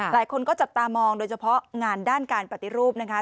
หลายคนก็จับตามองโดยเฉพาะงานด้านการปฏิรูปนะคะ